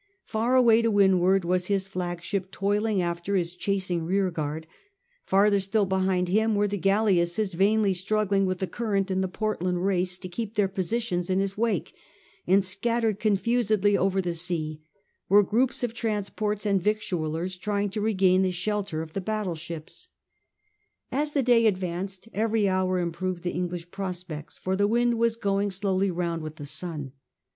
Far away to windward was his flagship toiling after his chasing rearguard : farther still behind him were the galleasses vainly struggling with the current in the Portland Race to keep their positions in his wake ; and scattered con fusedly over the sea were groups of transports and victuallers trying to regain the shelter of the battle ships. As the day advanced every hour improved the English prospects, for the wind was going slowly round with the sun.